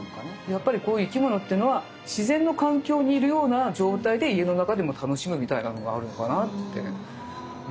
やっぱり生き物っていうのは自然の環境にいるような状態で家の中でも楽しむみたいなのがあるのかなって。